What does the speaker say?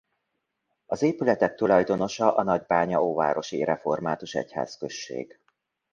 Az épületek tulajdonosa a Nagybánya-óvárosi Református Egyházközség.